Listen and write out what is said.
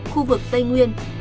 khu vực tây nguyên